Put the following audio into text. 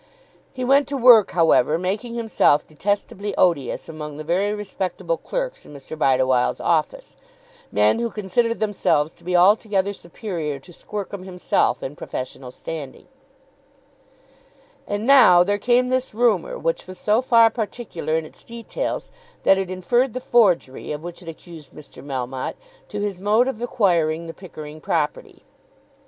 He went to work, however, making himself detestably odious among the very respectable clerks in Mr. Bideawhile's office, men who considered themselves to be altogether superior to Squercum himself in professional standing. [Illustration: Mr. Squercum in his office.] And now there came this rumour which was so far particular in its details that it inferred the forgery, of which it accused Mr. Melmotte, to his mode of acquiring the Pickering property.